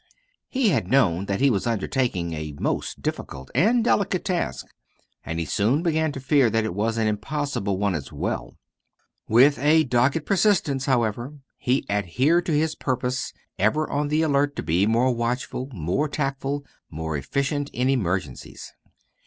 He had known that he was undertaking a most difficult and delicate task, and he soon began to fear that it was an impossible one, as well. With a dogged persistence, however, he adhered to his purpose, ever on the alert to be more watchful, more tactful, more efficient in emergencies.